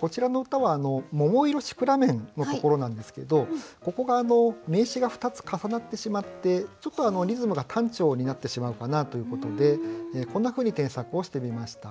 こちらの歌は「桃色シクラメン」のところなんですけどここが名詞が２つ重なってしまってちょっとリズムが単調になってしまうかなということでこんなふうに添削をしてみました。